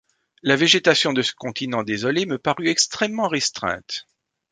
La végétation de ce continent désolé me parut extrêmement restreinte.